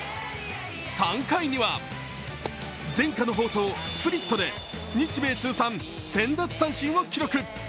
３回には、伝家の宝刀・スプリットで日米通算１０００奪三振を記録。